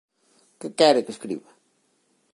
Que quere que escriba?